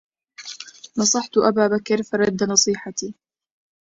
نصحت أبا بكر فرد نصيحتي